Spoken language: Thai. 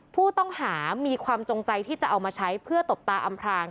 ผู้ต้องหามีความจงใจที่จะเอามาใช้เพื่อตบตาอำพราง